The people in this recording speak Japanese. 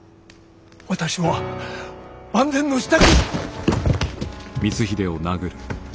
私は万全の支度。